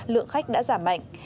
lượng khách đã giảm mạnh